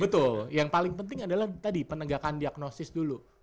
betul yang paling penting adalah tadi penegakan diagnosis dulu